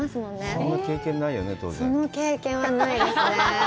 その経験はないですね。